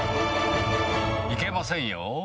いけませんよ。